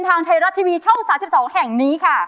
ทางไทยรัฐทีวีช่อง๓๒แห่งนี้ค่ะ